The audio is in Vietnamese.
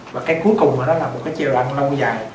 và cái cuối cùng là nó là một cái chế độ lâu dài